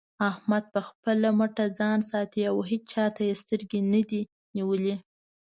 احمد په خپله مټه ځان ساتي او هيچا ته يې سترګې نه دې نيولې.